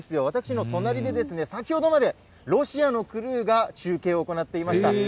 私の隣で、先ほどまでロシアのクルーが中継を行っていました。